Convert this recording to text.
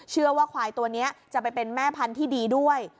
เชื่อว่าควายตัวนี้จะไปเป็นแม่พันธุ์ที่ดีด้วย